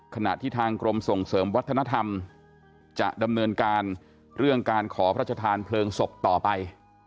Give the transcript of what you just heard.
ขณะที่ทางกรมส่งเสริมวัฒนธรรมจะดำเนินการเรื่องการขอพระชธานเพลิงศพต่อไป